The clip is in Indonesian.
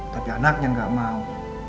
tapi anaknya gak mau